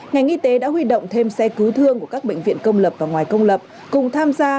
ngành y tế đã huy động thêm xe cứu thương của các bệnh viện công lập và ngoài công lập cùng tham gia